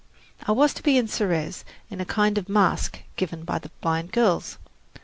I was to be Ceres in a kind of masque given by the blind girls.